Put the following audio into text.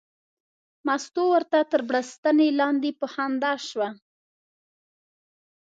مستو ورته تر بړستنې لاندې په خندا شوه.